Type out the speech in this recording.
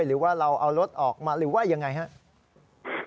หรือว่าเราเอารถออกมาหรือว่ายังไงครับ